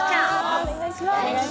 お願いします。